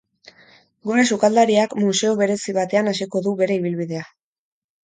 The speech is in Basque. Gure sukaldariak museo berezi batean hasiko du bere ibilbidea.